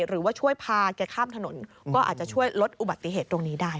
หรือว่าช่วยพาแกข้ามถนนก็อาจจะช่วยลดอุบัติเหตุตรงนี้ได้